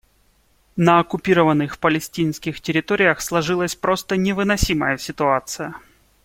На оккупированных палестинских территориях сложилась просто невыносимая ситуация.